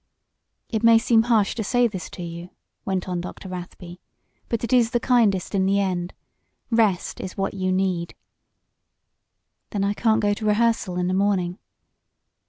"It may seem harsh to say this to you," went on Dr. Rathby, "but it is the kindest in the end. Rest is what you need." "Then I can't go to rehearsal in the morning?"